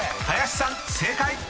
［林さん正解！］